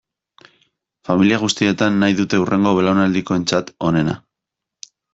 Familia guztietan nahi dute hurrengo belaunaldikoentzat onena.